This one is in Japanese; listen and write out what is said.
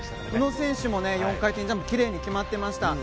宇野選手も４回転ジャンプきれいに決まっていました。